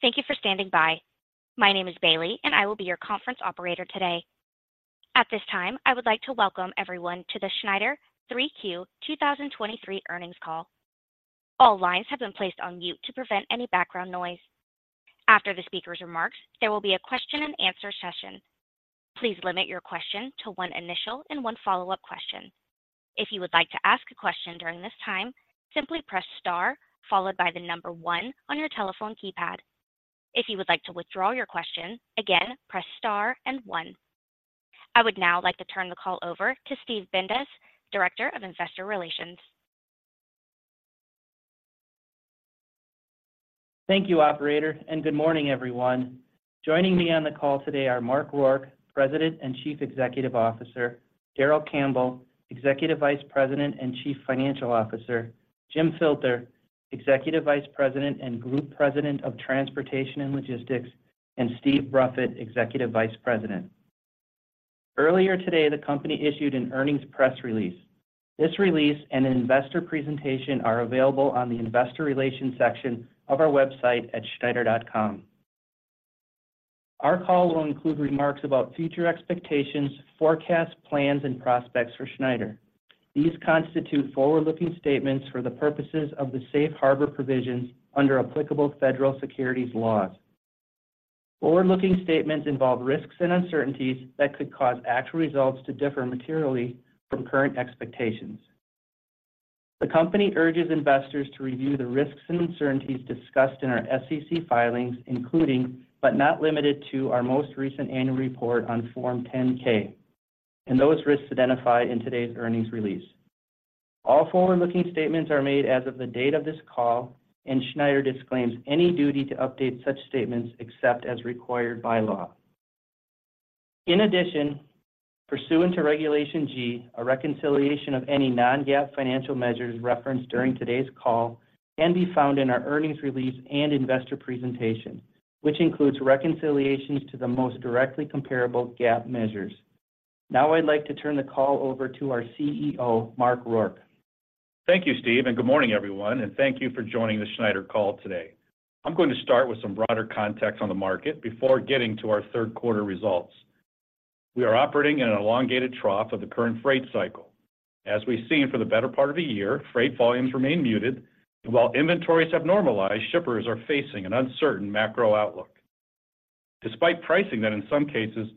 Thank you for standing by. My name is Bailey, and I will be your conference operator today. At this time, I would like to welcome everyone to the Schneider 3Q 2023 earnings call. All lines have been placed on mute to prevent any background noise. After the speaker's remarks, there will be a question-and-answer session. Please limit your question to one initial and one follow-up question. If you would like to ask a question during this time, simply press star followed by the number one on your telephone keypad. If you would like to withdraw your question, again, press star and one. I would now like to turn the call over to Steve Bindas, Director of Investor Relations. Thank you, operator, and good morning, everyone. Joining me on the call today are Mark Rourke, President and Chief Executive Officer, Darrell Campbell, Executive Vice President and Chief Financial Officer, Jim Filter, Executive Vice President and Group President of Transportation and Logistics, and Steve Bruffett, Executive Vice President. Earlier today, the company issued an earnings press release. This release and an investor presentation are available on the Investor Relations section of our website at schneider.com. Our call will include remarks about future expectations, forecasts, plans, and prospects for Schneider. These constitute forward-looking statements for the purposes of the safe harbor provisions under applicable federal securities laws. Forward-looking statements involve risks and uncertainties that could cause actual results to differ materially from current expectations. The company urges investors to review the risks and uncertainties discussed in our SEC filings, including, but not limited to, our most recent annual report on Form 10-K, and those risks identified in today's earnings release. All forward-looking statements are made as of the date of this call, and Schneider disclaims any duty to update such statements except as required by law. In addition, pursuant to Regulation G, a reconciliation of any non-GAAP financial measures referenced during today's call can be found in our earnings release and investor presentation, which includes reconciliations to the most directly comparable GAAP measures. Now I'd like to turn the call over to our CEO, Mark Rourke. Thank you, Steve, and good morning, everyone, and thank you for joining the Schneider call today. I'm going to start with some broader context on the market before getting to our Q3 results. We are operating in an elongated trough of the current freight cycle. As we've seen for the better part of the year, freight volumes remain muted, and while inventories have normalized, shippers are facing an uncertain macro outlook. Despite pricing that in some cases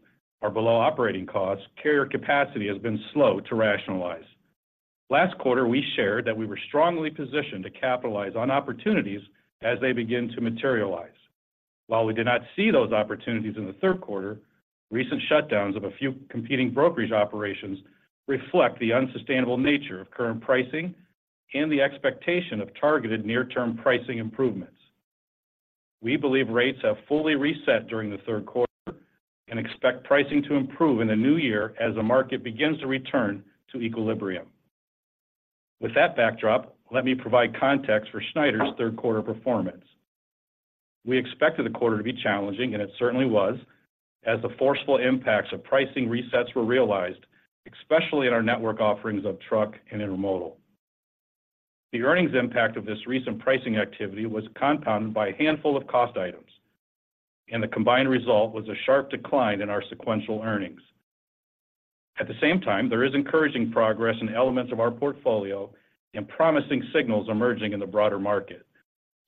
are below operating costs, carrier capacity has been slow to rationalize. Last quarter, we shared that we were strongly positioned to capitalize on opportunities as they begin to materialize. While we did not see those opportunities in the Q3, recent shutdowns of a few competing brokerage operations reflect the unsustainable nature of current pricing and the expectation of targeted near-term pricing improvements. We believe rates have fully reset during the Q3 and expect pricing to improve in the new year as the market begins to return to equilibrium. With that backdrop, let me provide context for Schneider's Q3 performance. We expected the quarter to be challenging, and it certainly was, as the forceful impacts of pricing resets were realized, especially in our network offerings of truck and intermodal. The earnings impact of this recent pricing activity was compounded by a handful of cost items, and the combined result was a sharp decline in our sequential earnings. At the same time, there is encouraging progress in elements of our portfolio and promising signals emerging in the broader market.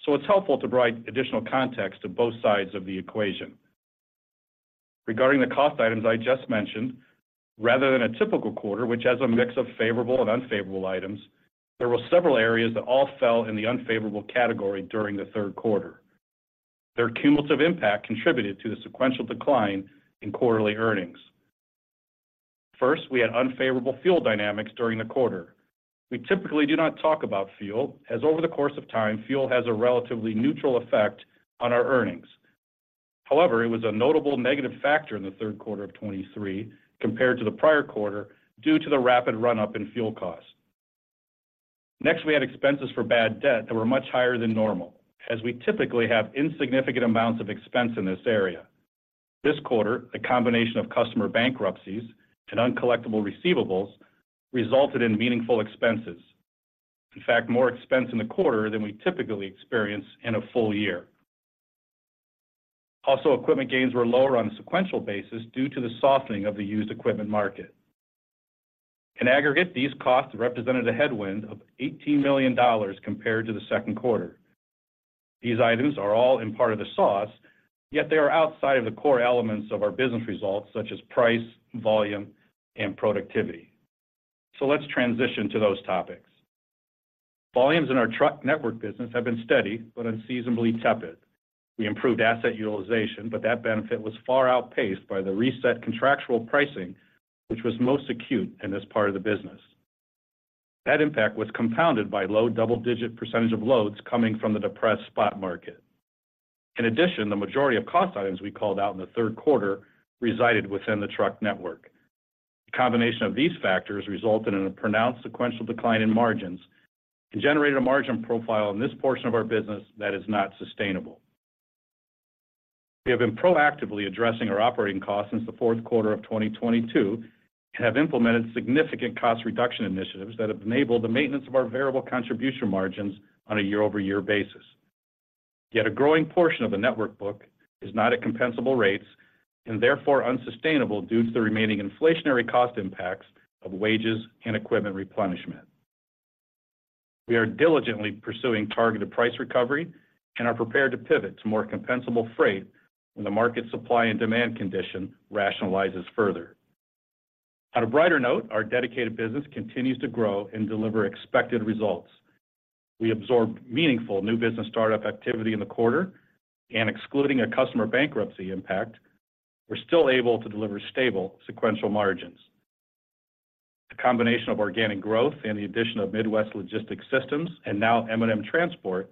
It's helpful to provide additional context to both sides of the equation. Regarding the cost items I just mentioned, rather than a typical quarter, which has a mix of favorable and unfavorable items, there were several areas that all fell in the unfavorable category during the Q3. Their cumulative impact contributed to the sequential decline in quarterly earnings. First, we had unfavorable fuel dynamics during the quarter. We typically do not talk about fuel, as over the course of time, fuel has a relatively neutral effect on our earnings. However, it was a notable negative factor in the Q3 of 2023 compared to the prior quarter due to the rapid run-up in fuel costs. Next, we had expenses for bad debt that were much higher than normal, as we typically have insignificant amounts of expense in this area. This quarter, the combination of customer bankruptcies and uncollectible receivables resulted in meaningful expenses. In fact, more expense in the quarter than we typically experience in a full year. Also, equipment gains were lower on a sequential basis due to the softening of the used equipment market. In aggregate, these costs represented a headwind of $18 million compared to the Q2. These items are all in part of the sauce, yet they are outside of the core elements of our business results, such as price, volume, and productivity. So let's transition to those topics. Volumes in our truck network business have been steady but unseasonably tepid. We improved asset utilization, but that benefit was far outpaced by the reset contractual pricing, which was most acute in this part of the business. That impact was compounded by low double-digit percentage of loads coming from the depressed spot market. In addition, the majority of cost items we called out in the Q3 resided within the truck network. The combination of these factors resulted in a pronounced sequential decline in margins and generated a margin profile in this portion of our business that is not sustainable. We have been proactively addressing our operating costs since the Q4 of 2022, and have implemented significant cost reduction initiatives that have enabled the maintenance of our variable contribution margins on a year-over-year basis. Yet a growing portion of the network book is not at compensable rates, and therefore unsustainable due to the remaining inflationary cost impacts of wages and equipment replenishment. We are diligently pursuing targeted price recovery and are prepared to pivot to more compensable freight when the market supply and demand condition rationalizes further. On a brighter note, our dedicated business continues to grow and deliver expected results. We absorbed meaningful new business startup activity in the quarter, and excluding a customer bankruptcy impact, we're still able to deliver stable sequential margins. The combination of organic growth and the addition of Midwest Logistics Systems, and now M&M Transport,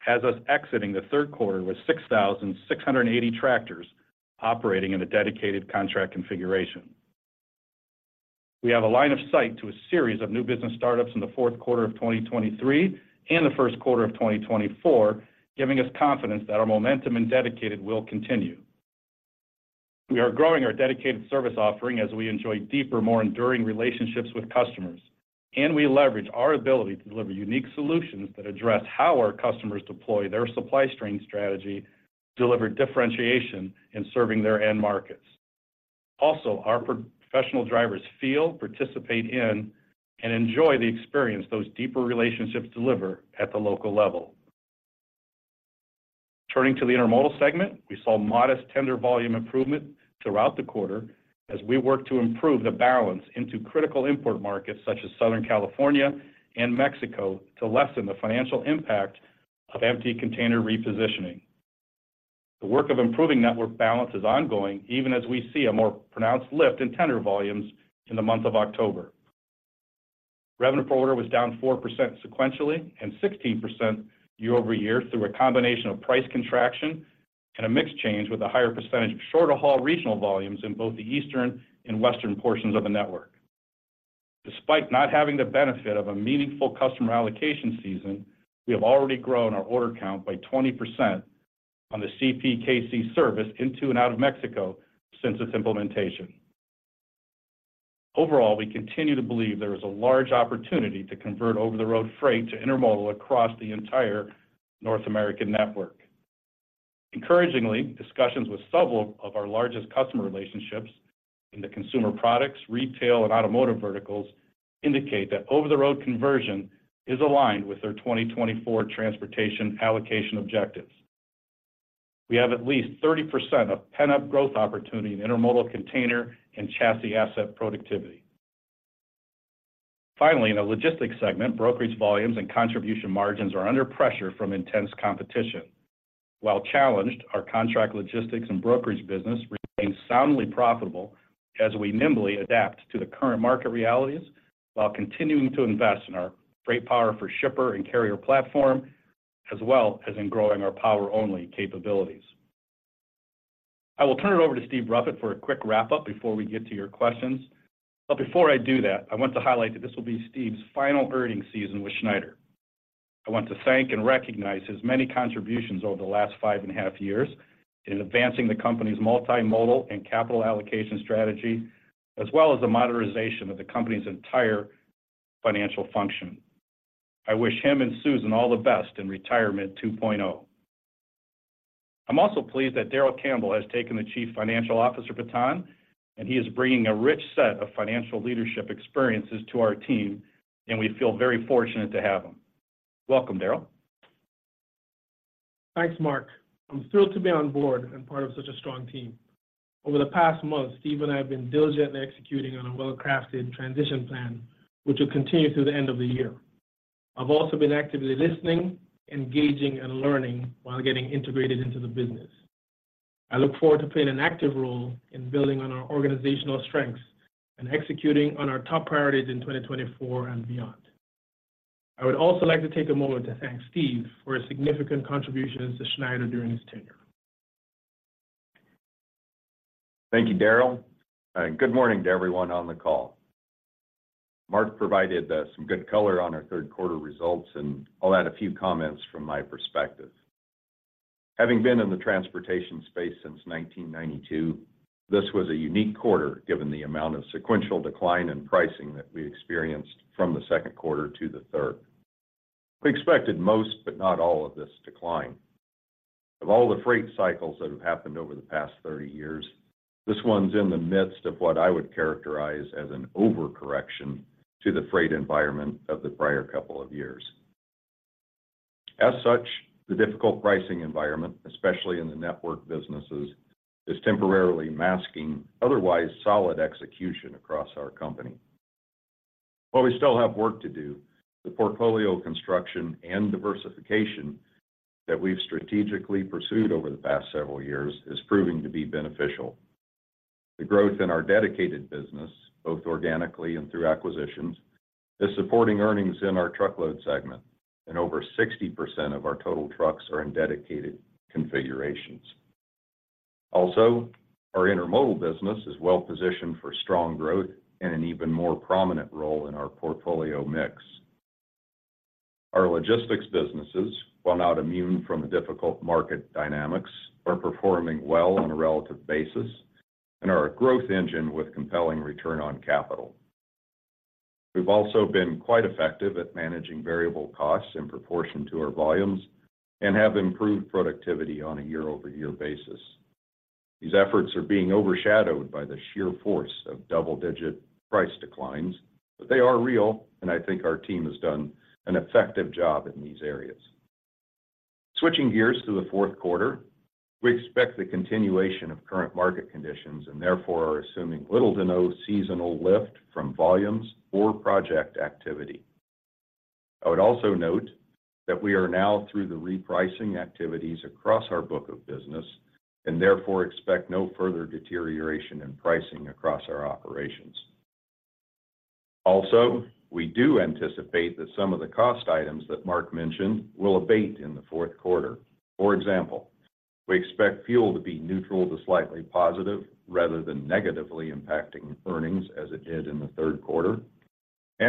has us exiting the Q3 of 2023 with 6,680 tractors operating in a dedicated contract configuration. We have a line of sight to a series of new business startups in the Q4 of 2023 and the Q1 of 2024, giving us confidence that our momentum and dedicated will continue. We are growing our dedicated service offering as we enjoy deeper, more enduring relationships with customers, and we leverage our ability to deliver unique solutions that address how our customers deploy their supply chain strategy to deliver differentiation in serving their end markets. Also, our professional drivers feel, participate in, and enjoy the experience those deeper relationships deliver at the local level. Turning to the intermodal segment, we saw modest tender volume improvement throughout the quarter as we work to improve the balance into critical import markets, such as Southern California and Mexico, to lessen the financial impact of empty container repositioning. The work of improving network balance is ongoing, even as we see a more pronounced lift in tender volumes in the month of October. Revenue per order was down 4% sequentially and 16% year-over-year, through a combination of price contraction and a mix change with a higher percentage of shorter-haul regional volumes in both the eastern and western portions of the network. Despite not having the benefit of a meaningful customer allocation season, we have already grown our order count by 20% on the CPKC service into and out of Mexico since its implementation. Overall, we continue to believe there is a large opportunity to convert over-the-road freight to intermodal across the entire North American network. Encouragingly, discussions with several of our largest customer relationships in the consumer products, retail, and automotive verticals indicate that over-the-road conversion is aligned with their 2024 transportation allocation objectives. We have at least 30% of pent-up growth opportunity in intermodal container and chassis asset productivity. Finally, in the logistics segment, brokerage volumes and contribution margins are under pressure from intense competition. While challenged, our contract logistics and brokerage business remains soundly profitable as we nimbly adapt to the current market realities while continuing to invest in our FreightPower for shipper and carrier platform, as well as in growing our power-only capabilities. I will turn it over to Steve Bruffett for a quick wrap-up before we get to your questions. But before I do that, I want to highlight that this will be Steve's final earnings season with Schneider. I want to thank and recognize his many contributions over the last five and a half years in advancing the company's multimodal and capital allocation strategy, as well as the modernization of the company's entire financial function. I wish him and Susan all the best in retirement 2.0. I'm also pleased that Darrell Campbell has taken the Chief Financial Officer baton, and he is bringing a rich set of financial leadership experiences to our team, and we feel very fortunate to have him. Welcome, Darrell. Thanks, Mark. I'm thrilled to be on board and part of such a strong team. Over the past month, Steve and I have been diligently executing on a well-crafted transition plan, which will continue through the end of the year. I've also been actively listening, engaging, and learning while getting integrated into the business. I look forward to playing an active role in building on our organizational strengths and executing on our top priorities in 2024 and beyond. I would also like to take a moment to thank Steve for his significant contributions to Schneider during his tenure. Thank you, Darrell. Good morning to everyone on the call. Mark provided some good color on our Q3 results, and I'll add a few comments from my perspective. Having been in the transportation space since 1992, this was a unique quarter, given the amount of sequential decline in pricing that we experienced from the Q2 to the third. We expected most, but not all, of this decline. Of all the freight cycles that have happened over the past 30 years, this one's in the midst of what I would characterize as an overcorrection to the freight environment of the prior couple of years. As such, the difficult pricing environment, especially in the network businesses, is temporarily masking otherwise solid execution across our company. While we still have work to do, the portfolio construction and diversification that we've strategically pursued over the past several years is proving to be beneficial. The growth in our dedicated business, both organically and through acquisitions, is supporting earnings in our truckload segment, and over 60% of our total trucks are in dedicated configurations. Also, our intermodal business is well positioned for strong growth and an even more prominent role in our portfolio mix.... Our logistics businesses, while not immune from the difficult market dynamics, are performing well on a relative basis and are a growth engine with compelling return on capital. We've also been quite effective at managing variable costs in proportion to our volumes and have improved productivity on a year-over-year basis. These efforts are being overshadowed by the sheer force of double-digit price declines, but they are real, and I think our team has done an effective job in these areas. Switching gears to the Q4, we expect the continuation of current market conditions and therefore are assuming little to no seasonal lift from volumes or project activity. I would also note that we are now through the repricing activities across our book of business, and therefore expect no further deterioration in pricing across our operations. Also, we do anticipate that some of the cost items that Mark mentioned will abate in the Q4. For example, we expect fuel to be neutral to slightly positive rather than negatively impacting earnings as it did in the Q3.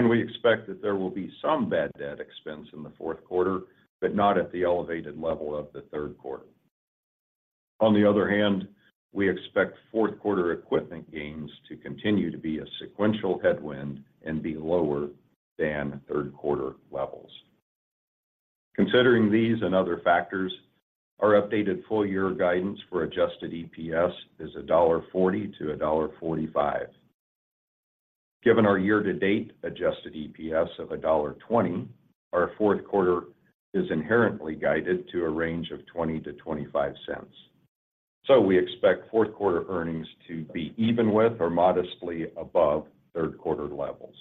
We expect that there will be some bad debt expense in the Q4, but not at the elevated level of the Q3. On the other hand, we expect Q4 equipment gains to continue to be a sequential headwind and be lower than Q3 levels. Considering these and other factors, our updated full-year guidance for adjusted EPS is $1.40-$1.45. Given our year-to-date adjusted EPS of $1.20, our Q4 is inherently guided to a range of $0.20-$0.25. We expect Q4 earnings to be even with or modestly above Q3 levels.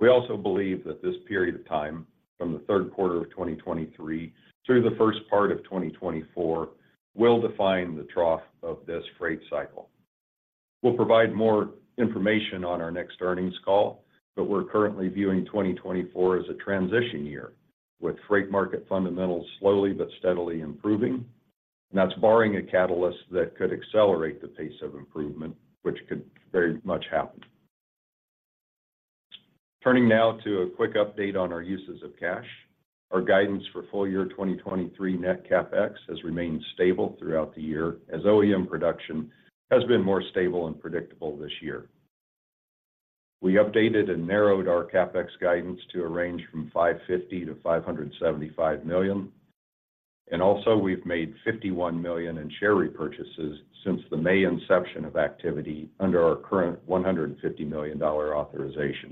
We also believe that this period of time, from the Q3 of 2023 through the first part of 2024, will define the trough of this freight cycle. We'll provide more information on our next earnings call, but we're currently viewing 2024 as a transition year, with freight market fundamentals slowly but steadily improving. And that's barring a catalyst that could accelerate the pace of improvement, which could very much happen. Turning now to a quick update on our uses of cash. Our guidance for full year 2023 Net CapEx has remained stable throughout the year, as OEM production has been more stable and predictable this year. We updated and narrowed our CapEx guidance to a range from $550 million-$575 million, and also we've made $51 million in share repurchases since the May inception of activity under our current $150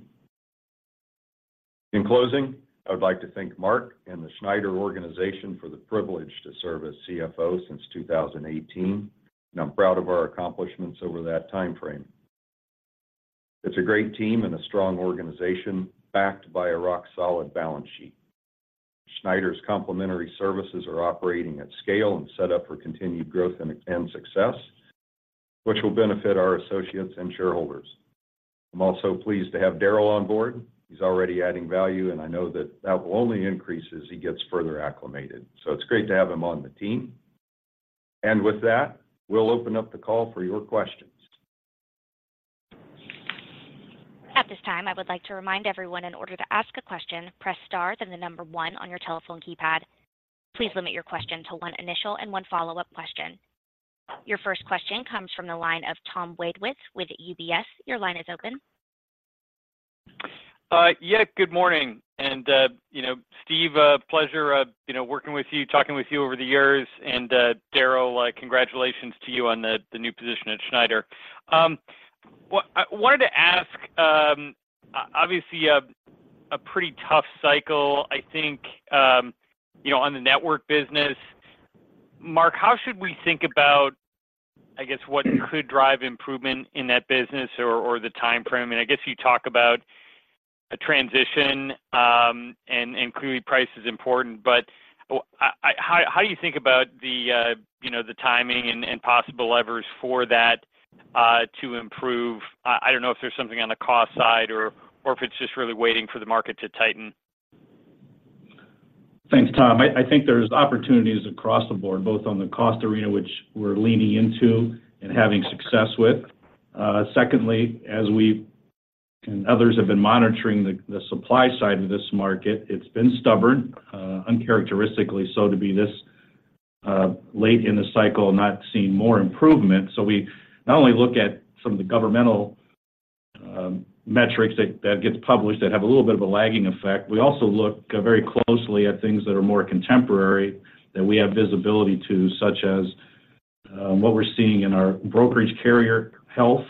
million authorization. In closing, I would like to thank Mark and the Schneider organization for the privilege to serve as CFO since 2018, and I'm proud of our accomplishments over that time frame. It's a great team and a strong organization, backed by a rock-solid balance sheet. Schneider's complementary services are operating at scale and set up for continued growth and success, which will benefit our associates and shareholders. I'm also pleased to have Darrell on board. He's already adding value, and I know that that will only increase as he gets further acclimated. So it's great to have him on the team. And with that, we'll open up the call for your questions. At this time, I would like to remind everyone, in order to ask a question, press star, then the number one on your telephone keypad. Please limit your question to one initial and one follow-up question. Your first question comes from the line of Tom Wadewitz with UBS. Your line is open. Yeah, good morning. And, you know, Steve, a pleasure, you know, working with you, talking with you over the years, and, Darrell, congratulations to you on the new position at Schneider. I wanted to ask, obviously, a pretty tough cycle, I think, you know, on the network business. Mark, how should we think about, I guess, what could drive improvement in that business or the time frame? And I guess you talk about a transition, and clearly price is important, but how do you think about the timing and possible levers for that to improve? I don't know if there's something on the cost side or if it's just really waiting for the market to tighten. Thanks, Tom. I think there's opportunities across the board, both on the cost arena, which we're leaning into and having success with. Secondly, as we and others have been monitoring the supply side of this market, it's been stubborn, uncharacteristically so, to be this late in the cycle, not seeing more improvement. So we not only look at some of the governmental metrics that get published that have a little bit of a lagging effect, we also look very closely at things that are more contemporary, that we have visibility to, such as what we're seeing in our brokerage carrier health,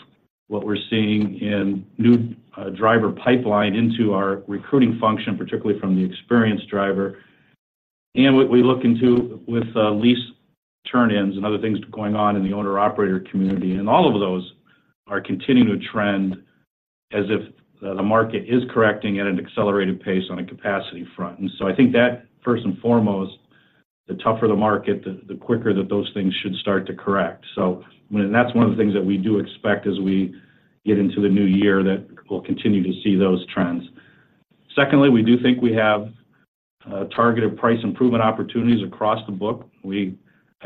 what we're seeing in new driver pipeline into our recruiting function, particularly from the experienced driver, and what we look into with lease turn-ins and other things going on in the owner-operator community. And all of those are continuing to trend as if, the market is correcting at an accelerated pace on a capacity front. And so I think that first and foremost, the tougher the market, the quicker that those things should start to correct. So that's one of the things that we do expect as we get into the new year, that we'll continue to see those trends. Secondly, we do think we have,... targeted price improvement opportunities across the book. We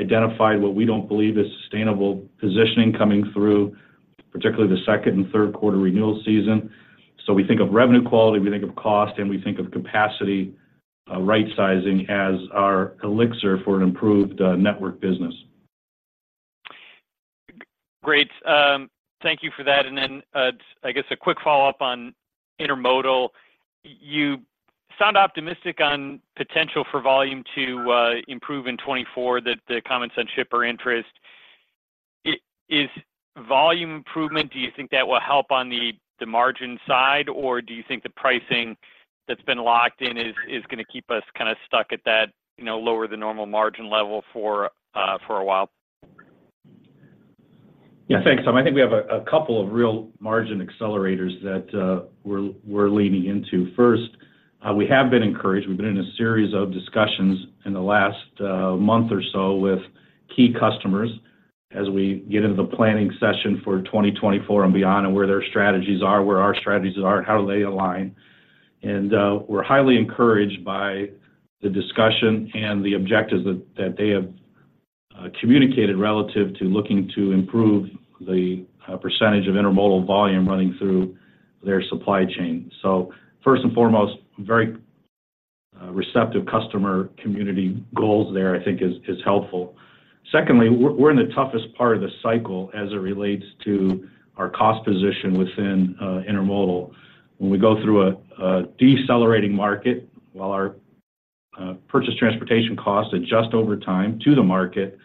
identified what we don't believe is sustainable positioning coming through, particularly the second and Q3 renewal season. So we think of revenue quality, we think of cost, and we think of capacity, right sizing as our elixir for an improved, network business. Great. Thank you for that. And then, I guess a quick follow-up on intermodal. You sound optimistic on potential for volume to improve in 2024, that the comments on shipper interest. Is volume improvement, do you think that will help on the margin side, or do you think the pricing that's been locked in is going to keep us kind of stuck at that, you know, lower than normal margin level for a while? Yeah, thanks, Tom. I think we have a couple of real margin accelerators that we're leaning into. First, we have been encouraged. We've been in a series of discussions in the last month or so with key customers as we get into the planning session for 2024 and beyond, and where their strategies are, where our strategies are, and how do they align. And we're highly encouraged by the discussion and the objectives that they have communicated relative to looking to improve the percentage of intermodal volume running through their supply chain. So first and foremost, very receptive customer community goals there, I think is helpful. Secondly, we're in the toughest part of the cycle as it relates to our cost position within intermodal. When we go through a decelerating market, while our purchase transportation costs adjust over time to the market,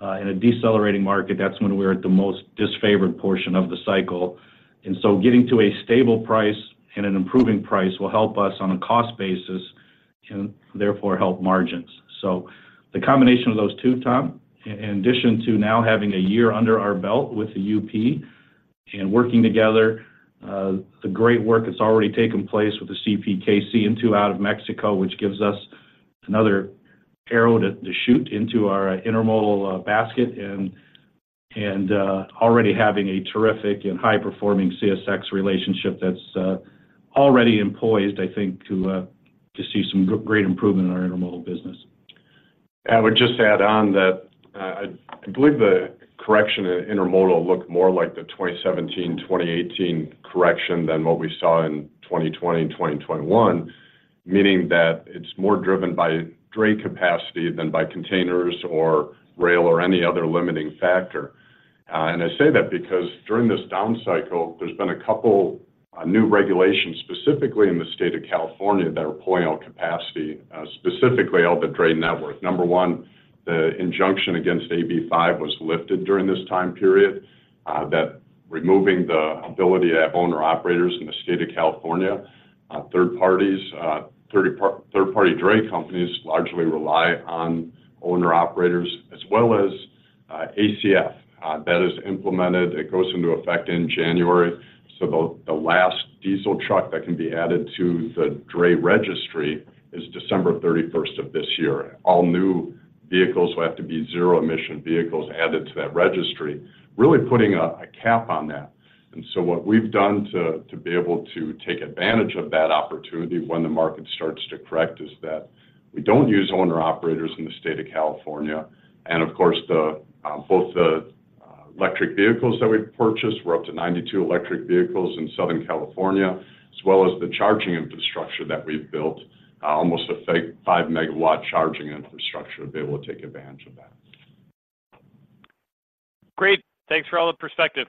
in a decelerating market, that's when we're at the most disfavored portion of the cycle. And so getting to a stable price and an improving price will help us on a cost basis and therefore, help margins. So the combination of those two, Tom, in addition to now having a year under our belt with the UP and working together, the great work that's already taken place with the CPKC into/out of Mexico, which gives us another arrow to shoot into our intermodal basket, and already having a terrific and high-performing CSX relationship that's already employed, I think, to see some good, great improvement in our intermodal business. I would just add on that, I believe the correction in intermodal looked more like the 2017, 2018 correction than what we saw in 2020 and 2021. Meaning that it's more driven by dray capacity than by containers or rail or any other limiting factor. I say that because during this down cycle, there's been a couple new regulations, specifically in the state of California, that are pulling out capacity, specifically out the dray network. Number one, the injunction against AB5 was lifted during this time period, that removing the ability to have owner-operators in the state of California, third parties, third-party dray companies largely rely on owner-operators as well as, ACF. That is implemented. It goes into effect in January. So the last diesel truck that can be added to the dray registry is December thirty-first of this year. All new vehicles will have to be zero-emission vehicles added to that registry, really putting a cap on that. And so what we've done to be able to take advantage of that opportunity when the market starts to correct, is that we don't use owner-operators in the state of California. And of course, both the electric vehicles that we've purchased, we're up to 92 electric vehicles in Southern California, as well as the charging infrastructure that we've built, almost a 5-megawatt charging infrastructure to be able to take advantage of that. Great. Thanks for all the perspective.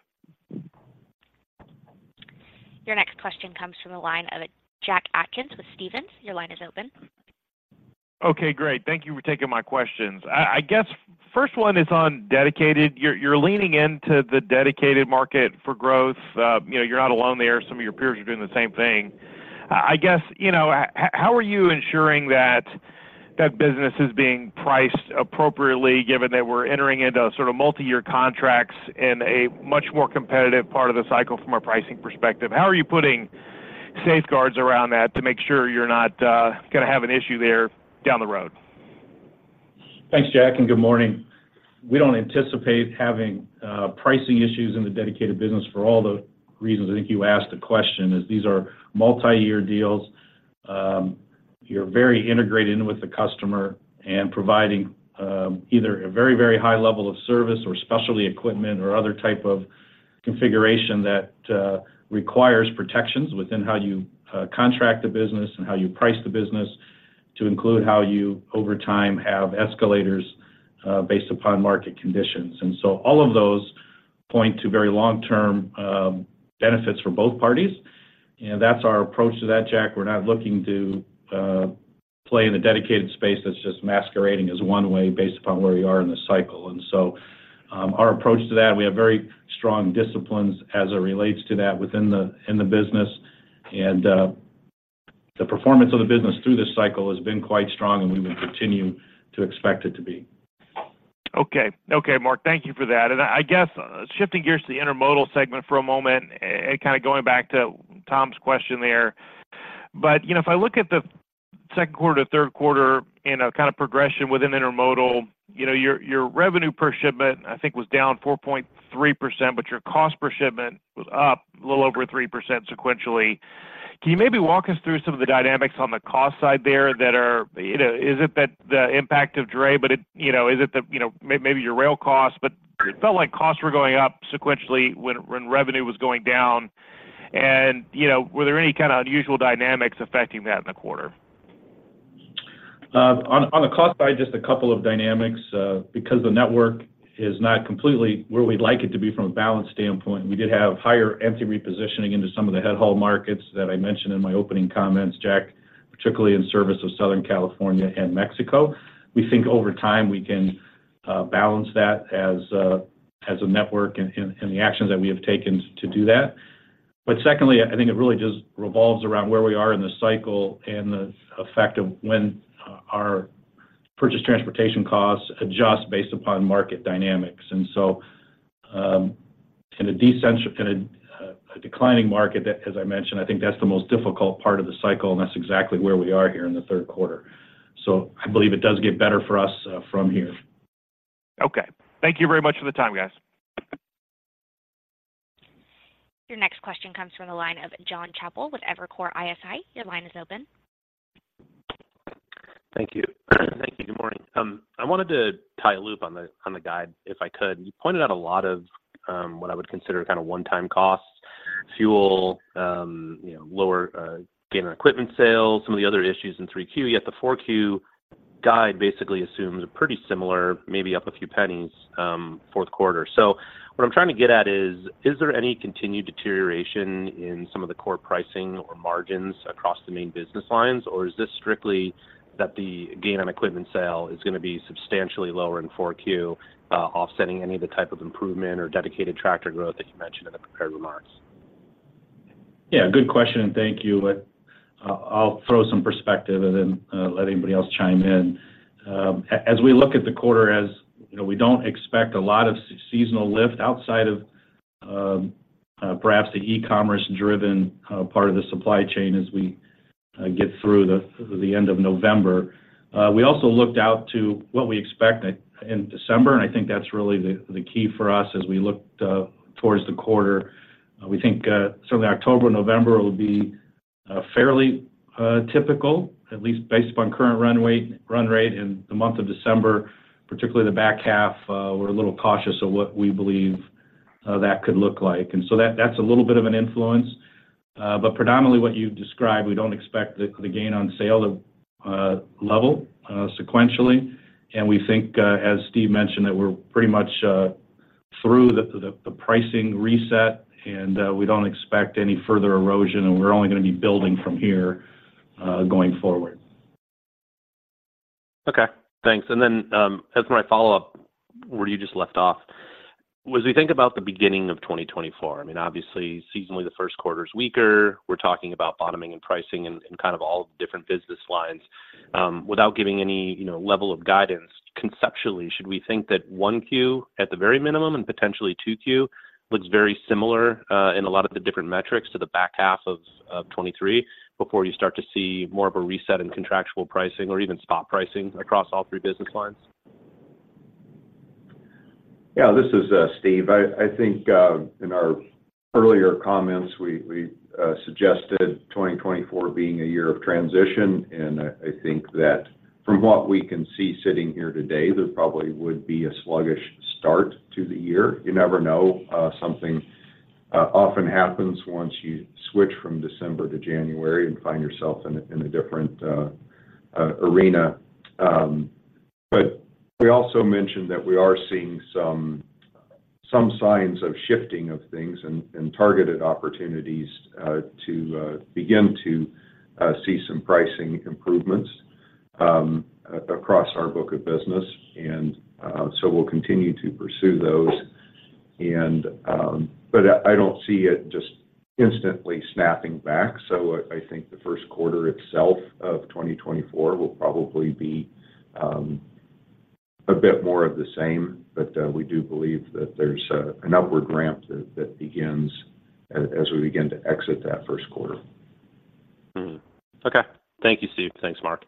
Your next question comes from the line of Jack Atkins with Stephens. Your line is open. Okay, great. Thank you for taking my questions. I guess, first one is on Dedicated. You're leaning into the Dedicated market for growth. You know, you're not alone there. Some of your peers are doing the same thing. I guess, you know, how are you ensuring that that business is being priced appropriately, given that we're entering into sort of multiyear contracts in a much more competitive part of the cycle from a pricing perspective? How are you putting safeguards around that to make sure you're not going to have an issue there down the road? Thanks, Jack, and good morning. We don't anticipate having pricing issues in the Dedicated business for all the reasons I think you asked the question, is these are multi-year deals. You're very integrated in with the customer and providing either a very, very high level of service or specialty equipment, or other type of configuration that requires protections within how you contract the business and how you price the business, to include how you, over time, have escalators based upon market conditions. And so all of those point to very long-term benefits for both parties, and that's our approach to that, Jack. We're not looking to play in a dedicated space that's just masquerading as one way based upon where we are in the cycle. And so our approach to that, we have very strong disciplines as it relates to that within the business. And the performance of the business through this cycle has been quite strong, and we will continue to expect it to be. Okay. Okay, Mark, thank you for that. And I guess, shifting gears to the intermodal segment for a moment, and kind of going back to Tom's question there. But, you know, if I look at the Q2 to Q3 in a kind of progression within intermodal, you know, your, your revenue per shipment, I think, was down 4.3%, but your cost per shipment was up a little over 3% sequentially.... Can you maybe walk us through some of the dynamics on the cost side there that are, you know, is it that the impact of Dray, but it, you know, is it the, you know, maybe your rail costs, but it felt like costs were going up sequentially when, when revenue was going down. And, you know, were there any kind of unusual dynamics affecting that in the quarter? On the cost side, just a couple of dynamics, because the network is not completely where we'd like it to be from a balance standpoint. We did have higher empty repositioning into some of the head haul markets that I mentioned in my opening comments, Jack, particularly in service of Southern California and Mexico. We think over time, we can balance that as a network and the actions that we have taken to do that. But secondly, I think it really just revolves around where we are in the cycle and the effect of when our purchase transportation costs adjust based upon market dynamics. And so, in a declining market, as I mentioned, I think that's the most difficult part of the cycle, and that's exactly where we are here in the Q3. So I believe it does get better for us from here. Okay. Thank you very much for the time, guys. Your next question comes from the line of Jon Chappell with Evercore ISI. Your line is open. Thank you. Thank you. Good morning. I wanted to tie a loop on the, on the guide, if I could. You pointed out a lot of, what I would consider kinda one-time costs: fuel, you know, lower, gain on equipment sales, some of the other issues in 3Q, yet the 4Q guide basically assumes a pretty similar, maybe up a few pennies, Q4. So what I'm trying to get at is, is there any continued deterioration in some of the core pricing or margins across the main business lines? Or is this strictly that the gain on equipment sale is going to be substantially lower in 4Q, offsetting any of the type of improvement or dedicated tractor growth that you mentioned in the prepared remarks? Yeah, good question, and thank you. But I'll throw some perspective and then let anybody else chime in. As we look at the quarter, as you know, we don't expect a lot of seasonal lift outside of, perhaps the e-commerce driven part of the supply chain as we get through the end of November. We also looked out to what we expect in December, and I think that's really the key for us as we look towards the quarter. We think certainly October, November will be fairly typical, at least based upon current run weight, run rate in the month of December, particularly the back half. We're a little cautious of what we believe that could look like. And so that, that's a little bit of an influence. But predominantly what you described, we don't expect the gain on sale level sequentially. And we think, as Steve mentioned, that we're pretty much through the pricing reset, and we don't expect any further erosion, and we're only going to be building from here going forward. Okay, thanks. And then, as my follow-up, where you just left off, as we think about the beginning of 2024, I mean, obviously, seasonally, the Q1 is weaker. We're talking about bottoming and pricing and, and kind of all different business lines. Without giving any, you know, level of guidance, conceptually, should we think that 1Q at the very minimum and potentially 2Q, looks very similar, in a lot of the different metrics to the back half of, of 2023 before you start to see more of a reset in contractual pricing or even spot pricing across all three business lines? Yeah, this is Steve. I think in our earlier comments, we suggested 2024 being a year of transition, and I think that from what we can see sitting here today, there probably would be a sluggish start to the year. You never know, something often happens once you switch from December to January and find yourself in a different arena. But we also mentioned that we are seeing some signs of shifting of things and targeted opportunities to begin to see some pricing improvements across our book of business, and so we'll continue to pursue those. But I don't see it just instantly snapping back. So I think the Q1 itself of 2024 will probably be a bit more of the same, but we do believe that there's an upward ramp that begins as we begin to exit that Q1. Mm-hmm. Okay. Thank you, Steve. Thanks, Mark.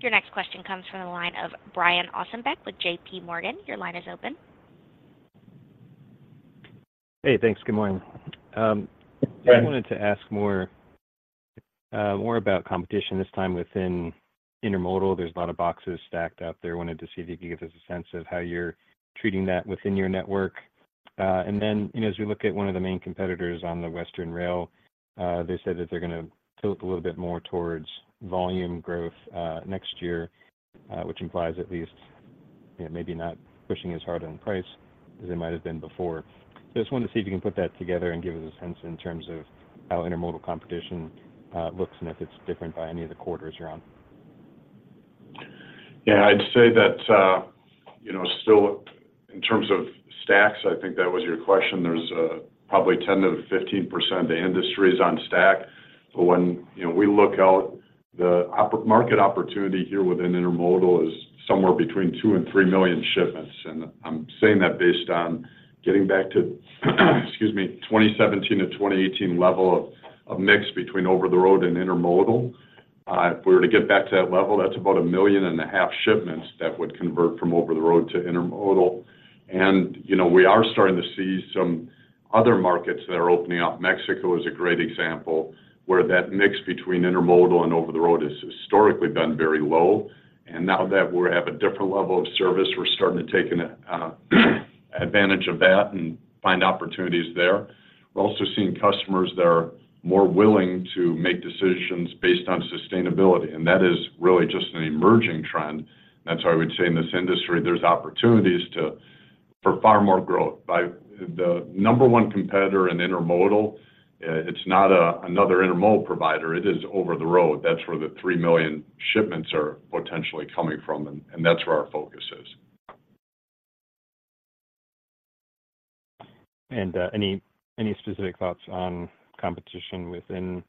Your next question comes from the line of Brian Ossenbeck with JPMorgan. Your line is open. Hey, thanks. Good morning. Brian. I wanted to ask more about competition, this time within intermodal. There's a lot of boxes stacked out there. Wanted to see if you could give us a sense of how you're treating that within your network. And then, you know, as we look at one of the main competitors on the Western Rail, they said that they're going to tilt a little bit more towards volume growth next year, which implies at least, maybe not pushing as hard on price as it might have been before. Just wanted to see if you can put that together and give us a sense in terms of how intermodal competition looks and if it's different by any of the quarters you're on. Yeah, I'd say that, you know, still in terms of stacks, I think that was your question. There's probably 10%-15% of the industry on stack. But when, you know, we look out, the market opportunity here within intermodal is somewhere between 2-3 million shipments. And I'm saying that based on getting back to, excuse me, 2017-2018 level of mix between over-the-road and intermodal. ... If we were to get back to that level, that's about 1.5 million shipments that would convert from over-the-road to intermodal. And, you know, we are starting to see some other markets that are opening up. Mexico is a great example, where that mix between intermodal and over-the-road has historically been very low, and now that we have a different level of service, we're starting to taking advantage of that and find opportunities there. We're also seeing customers that are more willing to make decisions based on sustainability, and that is really just an emerging trend. That's why I would say in this industry, there's opportunities for far more growth. But the number one competitor in intermodal, it's not a another intermodal provider, it is over-the-road. That's where the 3 million shipments are potentially coming from, and that's where our focus is. Any specific thoughts on competition within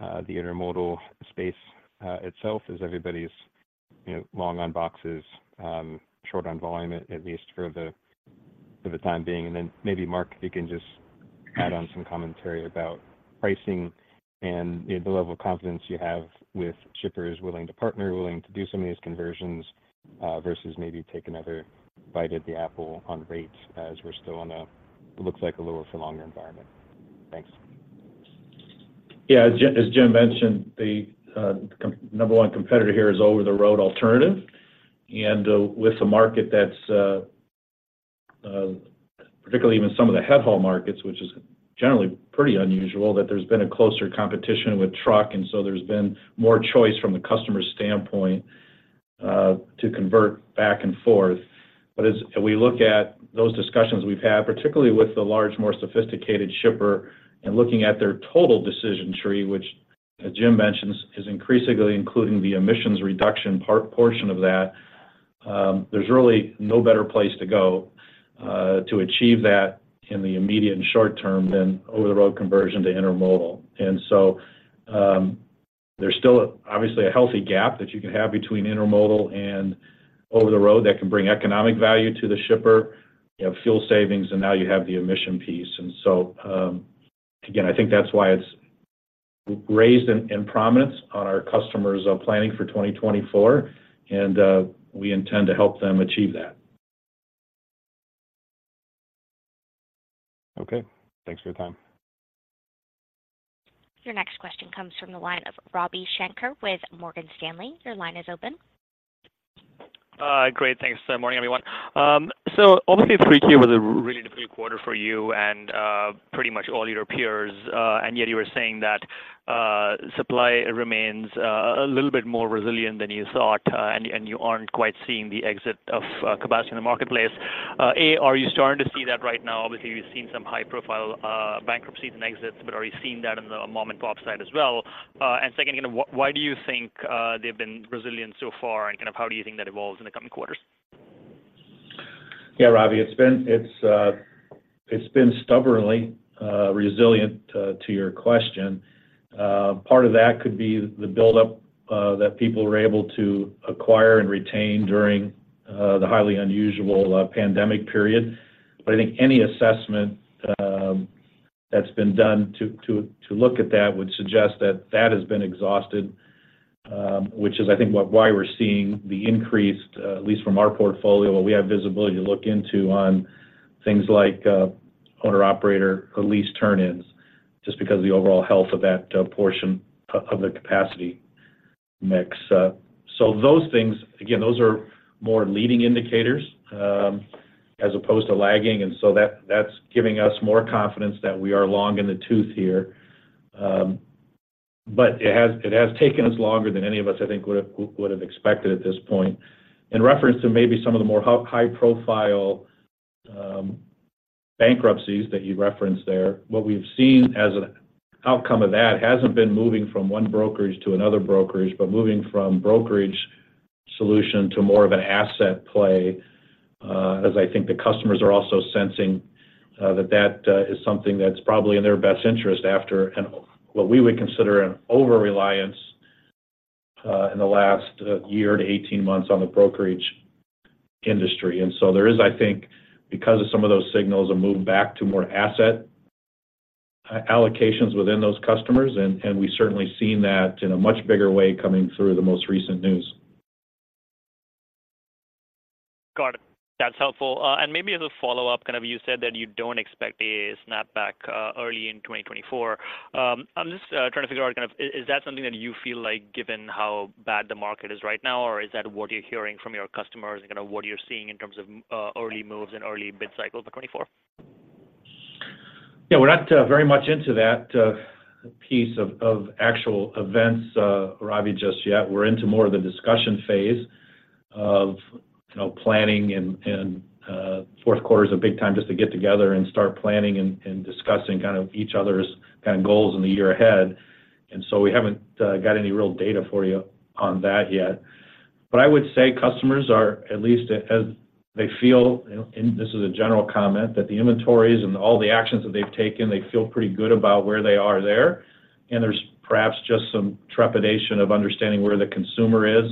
the intermodal space itself, as everybody's, you know, long on boxes, short on volume, at least for the time being? Then maybe, Mark, you can just add on some commentary about pricing and, you know, the level of confidence you have with shippers willing to partner, willing to do some of these conversions, versus maybe take another bite at the apple on rates, as we're still in a what looks like a lower for longer environment. Thanks. Yeah, as Jim mentioned, the number one competitor here is over-the-road alternative. And, with the market that's particularly even some of the head haul markets, which is generally pretty unusual, that there's been a closer competition with truck, and so there's been more choice from the customer's standpoint, to convert back and forth. But as we look at those discussions we've had, particularly with the large, more sophisticated shipper, and looking at their total decision tree, which, as Jim mentions, is increasingly including the emissions reduction portion of that, there's really no better place to go, to achieve that in the immediate and short term than over-the-road conversion to intermodal. And so, there's still, obviously, a healthy gap that you can have between intermodal and over-the-road that can bring economic value to the shipper, you have fuel savings, and now you have the emission piece. And so, again, I think that's why it's raised in prominence on our customers' planning for 2024, and we intend to help them achieve that. Okay. Thanks for your time. Your next question comes from the line of Ravi Shanker with Morgan Stanley. Your line is open. Great. Thanks. Morning, everyone. So obviously, 3Q was a really difficult quarter for you and pretty much all your peers, and yet you were saying that supply remains a little bit more resilient than you thought, and you aren't quite seeing the exit of capacity in the marketplace. And are you starting to see that right now? Obviously, we've seen some high-profile bankruptcies and exits, but are you seeing that in the mom-and-pop side as well? And second, again, why do you think they've been resilient so far, and kind of how do you think that evolves in the coming quarters? Yeah, Ravi, it's been. It's been stubbornly resilient to your question. Part of that could be the buildup that people were able to acquire and retain during the highly unusual pandemic period. But I think any assessment that's been done to look at that would suggest that that has been exhausted, which is, I think, what-- why we're seeing the increased, at least from our portfolio, we have visibility to look into on things like owner-operator or lease turn-ins, just because of the overall health of that portion of the capacity mix up. So those things, again, those are more leading indicators as opposed to lagging, and so that's giving us more confidence that we are long in the tooth here. But it has taken us longer than any of us, I think, would have expected at this point. In reference to maybe some of the more high-profile bankruptcies that you referenced there, what we've seen as an outcome of that hasn't been moving from one brokerage to another brokerage, but moving from brokerage solution to more of an asset play, as I think the customers are also sensing, that is something that's probably in their best interest after, and what we would consider an overreliance, in the last year to 18 months on the brokerage industry. And so there is, I think, because of some of those signals, a move back to more asset allocations within those customers, and we've certainly seen that in a much bigger way coming through the most recent news. Got it. That's helpful. And maybe as a follow-up, kind of you said that you don't expect a snapback early in 2024. I'm just trying to figure out, kind of, is that something that you feel like, given how bad the market is right now, or is that what you're hearing from your customers, and kind of what you're seeing in terms of early moves and early bid cycles for 2024? Yeah, we're not very much into that piece of actual events, Ravi, just yet. We're into more of the discussion phase of, you know, planning, and Q4 is a big time just to get together and start planning and discussing kind of each other's kind of goals in the year ahead. And so we haven't got any real data for you on that yet. But I would say customers are, at least as they feel, and this is a general comment, that the inventories and all the actions that they've taken, they feel pretty good about where they are there. And there's perhaps just some trepidation of understanding where the consumer is.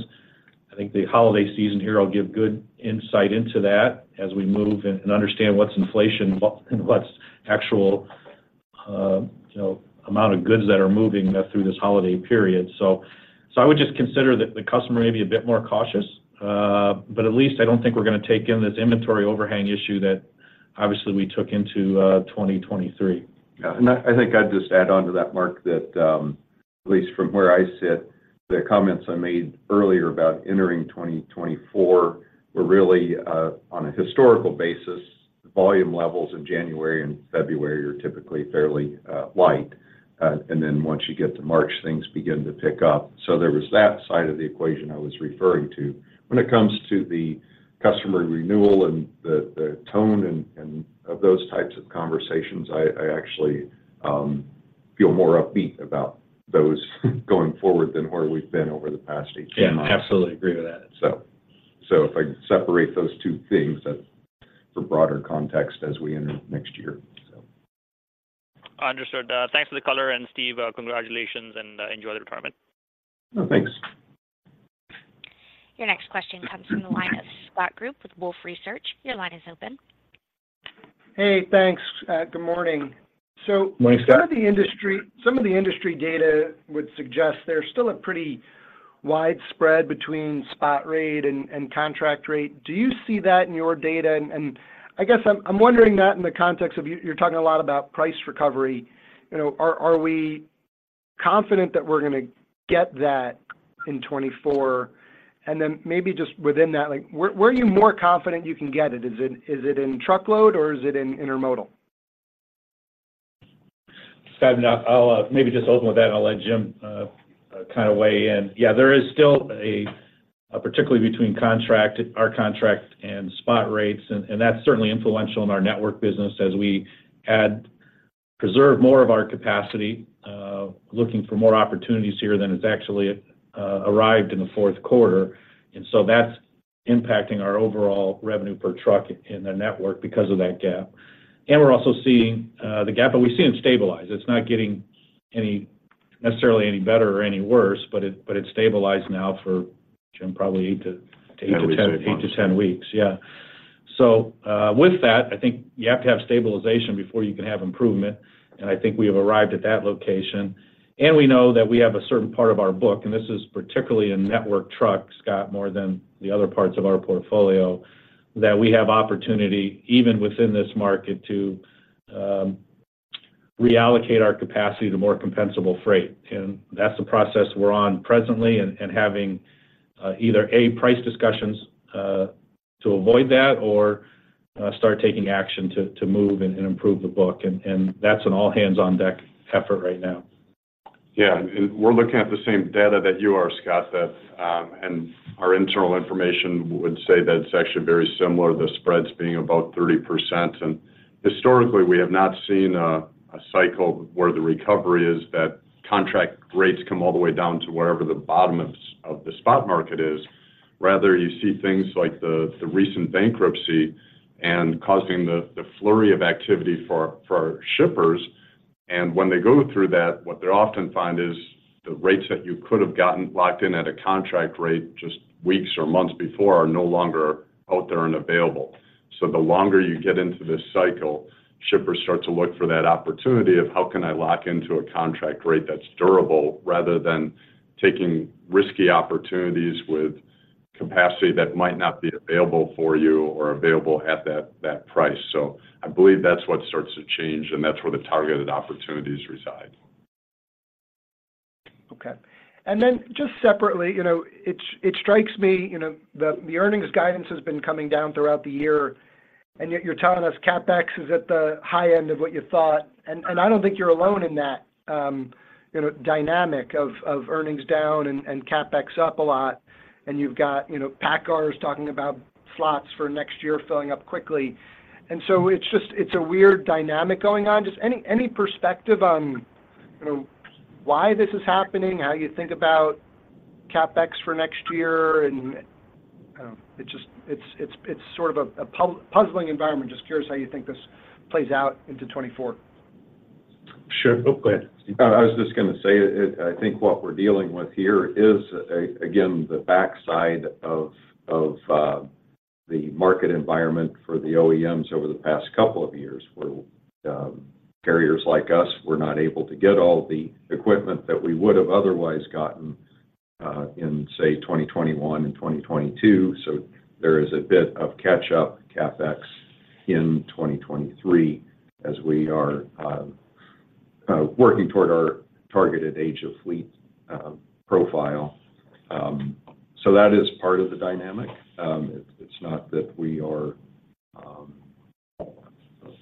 I think the holiday season here will give good insight into that as we move and understand what's inflation, what, and what's actual, you know, amount of goods that are moving through this holiday period. So I would just consider that the customer may be a bit more cautious, but at least I don't think we're going to take in this inventory overhang issue that obviously we took into 2023. Yeah, and I think I'd just add on to that, Mark, that at least from where I sit, the comments I made earlier about entering 2024 were really on a historical basis, volume levels in January and February are typically fairly light. And then once you get to March, things begin to pick up. So there was that side of the equation I was referring to. When it comes to the customer renewal and the tone and of those types of conversations, I actually feel more upbeat about those going forward than where we've been over the past 18 months. Yeah, absolutely agree with that. So, if I separate those two things, that for broader context as we enter next year, so. Understood. Thanks for the color, and Steve, congratulations, and enjoy the retirement. Oh, thanks. Your next question comes from the line of Scott Group with Wolfe Research. Your line is open. Hey, thanks. Good morning. Morning, Scott. So some of the industry data would suggest there's still a pretty wide spread between spot rate and contract rate. Do you see that in your data? And I guess I'm wondering that in the context of you, you're talking a lot about price recovery. You know, are we confident that we're going to get that in 2024? And then maybe just within that, like, where are you more confident you can get it? Is it in truckload or is it in intermodal? Scott, and I'll maybe just open with that, and I'll let Jim kind of weigh in. Yeah, there is still a particularly between contract, our contract and spot rates, and that's certainly influential in our network business as we add... preserve more of our capacity, looking for more opportunities here than has actually arrived in the Q4. And so that's impacting our overall revenue per truck in the network because of that gap. And we're also seeing the gap, but we've seen it stabilize. It's not getting any necessarily any better or any worse, but it's stabilized now for, Jim, probably 8 to 8 to 10- eight to 10 weeks. eight to 10 weeks. Yeah. With that, I think you have to have stabilization before you can have improvement, and I think we have arrived at that location. We know that we have a certain part of our book, and this is particularly in network trucks, Scott, more than the other parts of our portfolio, that we have opportunity, even within this market, to reallocate our capacity to more compensable freight. That's the process we're on presently, and having either A, price discussions to avoid that or start taking action to move and improve the book. That's an all-hands-on-deck effort right now. Yeah, and we're looking at the same data that you are, Scott. That and our internal information would say that it's actually very similar, the spreads being about 30%. And historically, we have not seen a cycle where the recovery is that contract rates come all the way down to wherever the bottom of the spot market is. Rather, you see things like the recent bankruptcy causing the flurry of activity for shippers, and when they go through that, what they often find is the rates that you could have gotten locked in at a contract rate just weeks or months before are no longer out there and available. So the longer you get into this cycle, shippers start to look for that opportunity of: How can I lock into a contract rate that's durable, rather than taking risky opportunities with capacity that might not be available for you or available at that, that price? So I believe that's what starts to change, and that's where the targeted opportunities reside. Okay. And then just separately, you know, it strikes me, you know, the earnings guidance has been coming down throughout the year, and yet you're telling us CapEx is at the high end of what you thought. And I don't think you're alone in that, you know, dynamic of earnings down and CapEx up a lot. And you've got, you know, PACCAR is talking about slots for next year filling up quickly. And so it's just a weird dynamic going on. Just any perspective on, you know, why this is happening, how you think about CapEx for next year, and it just, it's a puzzling environment. Just curious how you think this plays out into 2024. Sure. Oh, go ahead, Steve. I was just going to say, I think what we're dealing with here is, again, the backside of the market environment for the OEMs over the past couple of years, where carriers like us were not able to get all the equipment that we would have otherwise gotten in, say, 2021 and 2022. So there is a bit of catch-up CapEx in 2023 as we are working toward our targeted age of fleet profile. So that is part of the dynamic. It, it's not that we are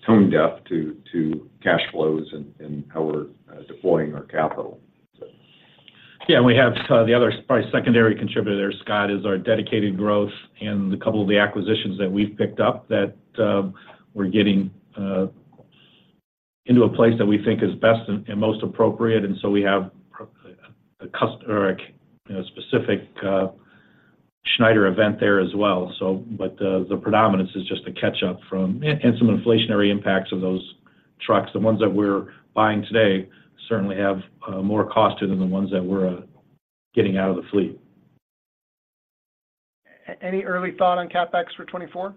tone deaf to cash flows and how we're deploying our capital, so. Yeah, and we have the other probably secondary contributor there, Scott, is our dedicated growth and a couple of the acquisitions that we've picked up that we're getting into a place that we think is best and most appropriate. And so we have, you know, specific Schneider event there as well, so. But the predominance is just a catch-up from and some inflationary impacts of those trucks, the ones that we're buying today, certainly have more cost to them than the ones that we're getting out of the fleet. Any early thought on CapEx for 2024?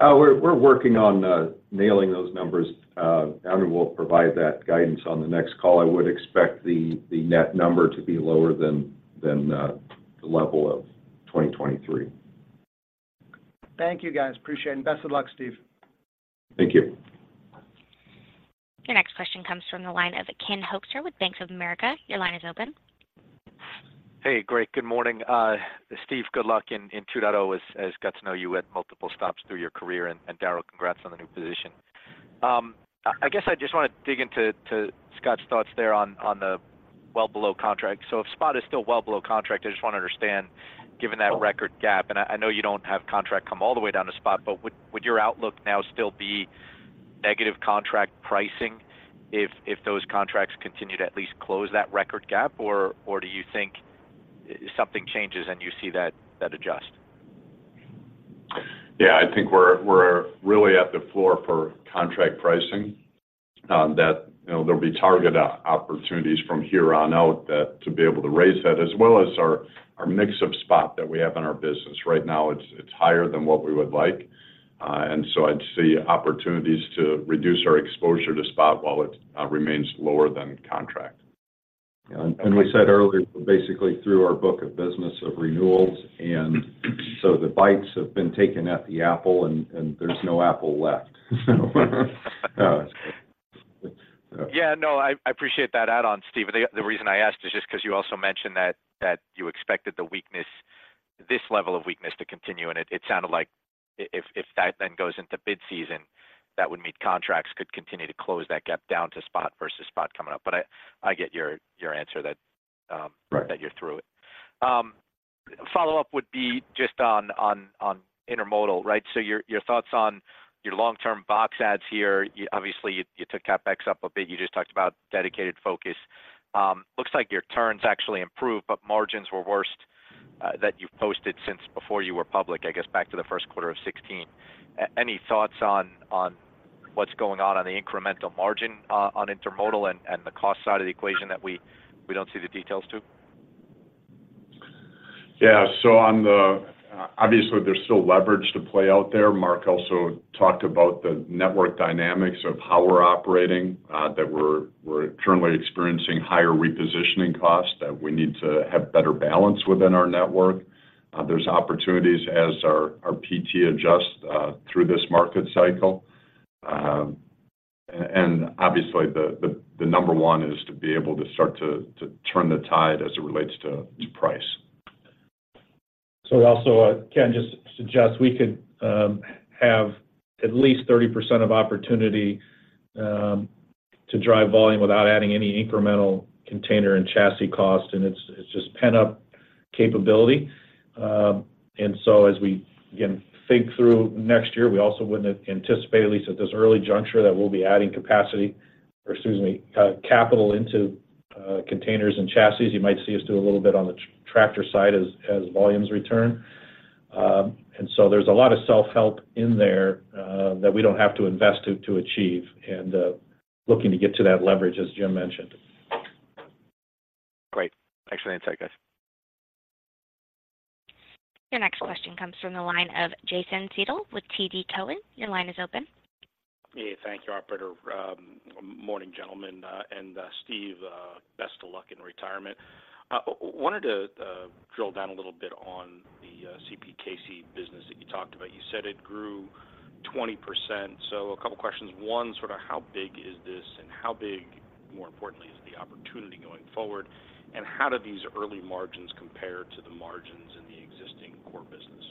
We're working on nailing those numbers. We will provide that guidance on the next call. I would expect the net number to be lower than the level of 2023. Thank you, guys. Appreciate it, and best of luck, Steve. Thank you. Your next question comes from the line of Ken Hoexter with Bank of America. Your line is open. Hey, great. Good morning. Steve, good luck in 2.0, as I got to know you at multiple stops through your career, and Darrell, congrats on the new position. I guess I just want to dig into Scott's thoughts there on the well below contract. So if spot is still well below contract, I just want to understand, given that record gap, and I know you don't have contract come all the way down to spot, but would your outlook now still be negative contract pricing if those contracts continue to at least close that record gap? Or do you think something changes, and you see that adjust? Yeah, I think we're really at the floor for contract pricing, that, you know, there'll be target opportunities from here on out, that to be able to raise that, as well as our mix of spot that we have in our business. Right now, it's higher than what we would like. And so I'd see opportunities to reduce our exposure to spot while it remains lower than contract. And we said earlier, basically through our book of business of renewals, and so the bites have been taken at the apple, and there's no apple left. Yeah, no, I appreciate that add-on, Steve. The reason I asked is just 'cause you also mentioned that you expected the weakness, this level of weakness to continue, and it sounded like if that then goes into bid season, that would mean contracts could continue to close that gap down to spot versus spot coming up. But I get your answer that, Right... that you're through it. Follow-up would be just on Intermodal, right? So your thoughts on your long-term box adds here. You obviously took CapEx up a bit. You just talked about dedicated focus. Looks like your turns actually improved, but margins were worst that you've posted since before you were public, I guess, back to the Q1 of 2016. Any thoughts on what's going on the incremental margin on Intermodal and the cost side of the equation that we don't see the details to? Yeah. So on the, obviously, there's still leverage to play out there. Mark also talked about the network dynamics of how we're operating, that we're currently experiencing higher repositioning costs, that we need to have better balance within our network. There's opportunities as our PT adjust through this market cycle. And obviously, the number one is to be able to start to turn the tide as it relates to price. So also, Ken, just suggest we could have at least 30% of opportunity to drive volume without adding any incremental container and chassis costs, and it's just pent-up capability. And so as we, again, think through next year, we also wouldn't anticipate, at least at this early juncture, that we'll be adding capacity or, excuse me, capital into containers and chassis. You might see us do a little bit on the tractor side as volumes return. And so there's a lot of self-help in there that we don't have to invest to achieve, and looking to get to that leverage, as Jim mentioned. Great. Thanks for the insight, guys. Your next question comes from the line of Jason Seidel with TD Cowen. Your line is open. Yeah. Thank you, operator. Morning, gentlemen, and Steve, best of luck in retirement. Wanted to drill down a little bit on the CPKC business that you talked about. You said it grew 20%. So a couple questions. One, sort of how big is this, and how big, more importantly, is the opportunity going forward? And how do these early margins compare to the margins in the existing core business?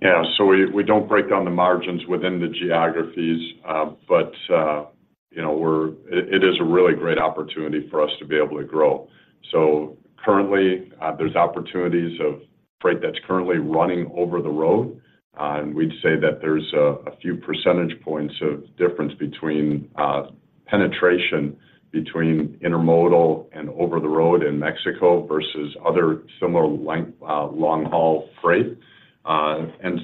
Yeah, so we don't break down the margins within the geographies. But, you know, it is a really great opportunity for us to be able to grow. So currently, there's opportunities of freight that's currently running over the road, and we'd say that there's a few percentage points of difference between penetration between intermodal and over-the-road in Mexico versus other similar length long-haul freight. And